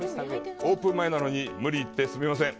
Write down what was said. オープン前なのに無理言ってすみません。